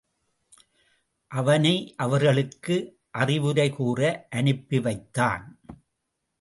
அவனை அவர்களுக்கு அறிவுரை கூற அனுப்பி வைத்தான்.